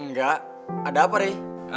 nggak ada apa rey